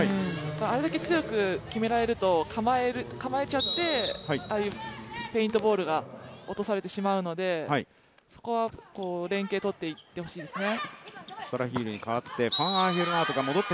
あれだけ強く決められると構えちゃってああいうフェイントボールが落とされてしまうのでそこは連携を取っていってほしいですね。